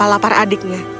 apa lapar adiknya